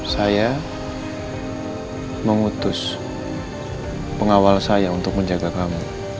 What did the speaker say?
saya mengutus pengawal saya untuk menjaga kamu